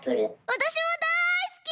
わたしもだいすき！